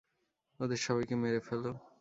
ওদের সবাইকে মেরে ফেলো।